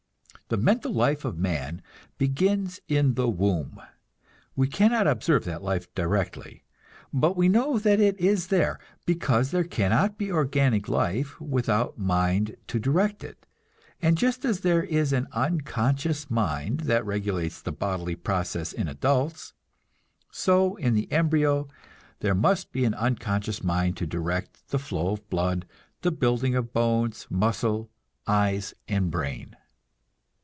The mental life of man begins in the womb. We cannot observe that life directly, but we know that it is there, because there cannot be organic life without mind to direct it, and just as there is an unconscious mind that regulates the bodily processes in adults, so in the embryo there must be an unconscious mind to direct the flow of blood, the building of bones, muscle, eyes and brain.